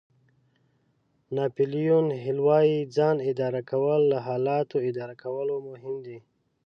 ناپیلیون هېل وایي ځان اداره کول له حالاتو اداره کولو مهم دي.